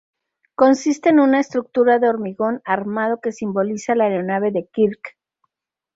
Consiste en una estructura de hormigón armado que simboliza la aeronave de Kirk.